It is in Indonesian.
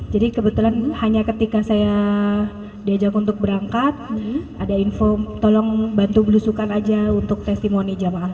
jadi kebetulan hanya ketika saya diajak untuk berangkat ada info tolong bantu belusukan aja untuk testimoni jaman